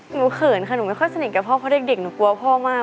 เขินค่ะหนูไม่ค่อยสนิทกับพ่อเพราะเด็กหนูกลัวพ่อมาก